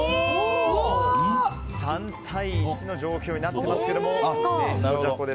３対１の状況になっていますけども。